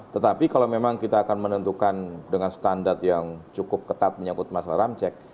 tetapi kalau memang kita akan menentukan dengan standar yang cukup ketat menyangkut masalah ramcek